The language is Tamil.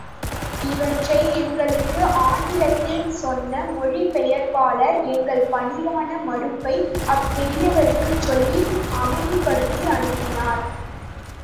இவற்றை எங்களுக்கு ஆங்கிலத்தில் சொன்ன மொழிபெயர்ப்பாளர் எங்கள் பணிவான மறுப்பை அப்பெரியவருக்குச் சொல்லி அமைதிப்படுத்தி அனுப்பினார்.